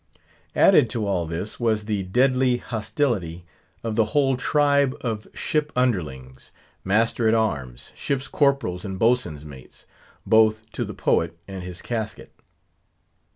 Added to all this, was the deadly hostility of the whole tribe of ship underlings—master at arms, ship's corporals, and boatswain's mates,—both to the poet and his casket.